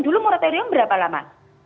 dulu moratorium berapa lama